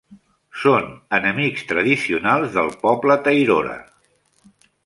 Són enemics tradicionals del poble tairora.